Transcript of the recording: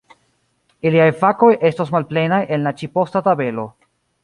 Iliaj fakoj estos malplenaj en la ĉi-posta tabelo.